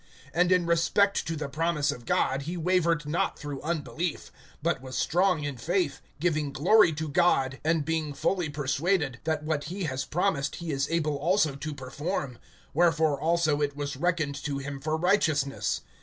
(20)And in respect to the promise of God he wavered not through unbelief, but was strong in faith, giving glory to God, (21)and being fully persuaded, that what he has promised he is able also to perform. (22)Wherefore also it was reckoned to him for righteousness.